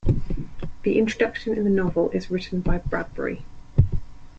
The introduction in the novel is written by Bradbury.